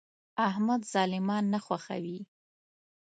احمد ظالمان نه خوښوي.